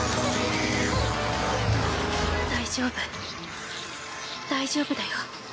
大丈夫大丈夫だよ